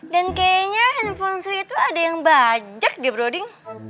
dan kayaknya handphone sri itu ada yang bajak ya boroding